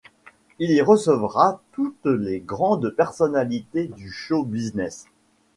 Il y recevra toutes les grandes personnalités du show business.